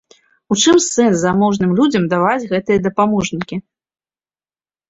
У чым сэнс заможным людзям даваць гэтыя дапаможнікі?